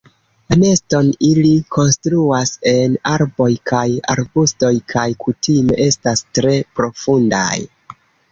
La neston ili konstruas en arboj kaj arbustoj kaj kutime estas tre profundaj.